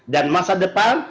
dan masa depan